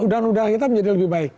dan udara udara kita menjadi lebih baik